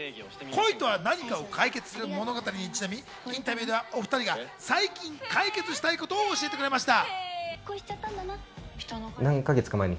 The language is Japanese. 恋とは何かを解決する物語にちなみ、インタビューではお２人が最近解決したいことを教えてくれました。